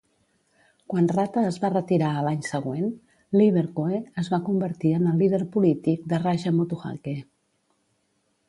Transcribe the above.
Quan Rata es va retirar a l'any següent, Lee-Vercoe es va convertir en el líder polític de Raja Motuhake.